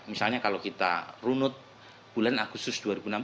misalnya kalau kita runut bulan agustus dua ribu enam belas